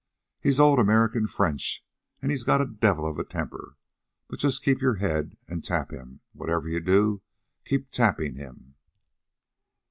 "He's old American French, and he's got a devil of a temper. But just keep your head and tap him whatever you do, keep tapping him."